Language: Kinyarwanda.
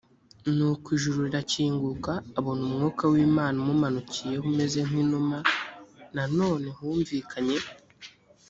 nuko ijuru rirakinguka abona umwuka w imana umumanukiyeho umeze nk inuma nanone humvikanye